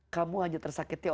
kamu hanya tersakitnya oleh